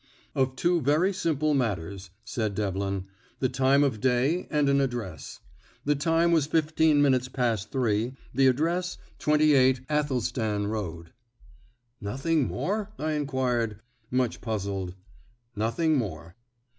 "Of two very simple matters," said Devlin; "the time of day and an address. The time was fifteen minutes past three, the address, 28 Athelstan Road." "Nothing more?" I inquired, much puzzled. "Nothing more."